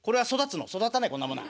「育たねえこんなものは。